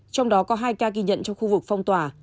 trong đó có hai ca ghi nhận trong khu vực phong tỏa